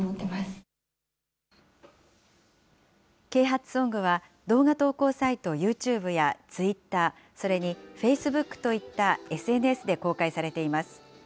啓発ソングは、動画投稿サイトＹｏｕＴｕｂｅやツイッター、それにフェイスブックといったＳＮＳで公開されています。